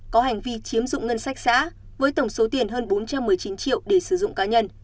có hành vi chiếm dụng ngân sách xã với tổng số tiền hơn bốn trăm một mươi chín triệu để sử dụng cá nhân